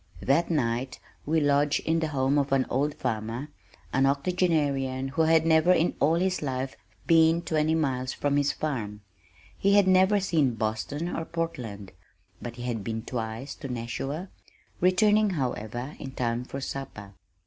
That night we lodged in the home of an old farmer, an octogenarian who had never in all his life been twenty miles from his farm. He had never seen Boston, or Portland, but he had been twice to Nashua, returning, however, in time for supper.